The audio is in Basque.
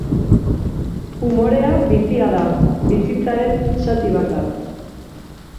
Umorea bizia da, bizitzaren zati bat da.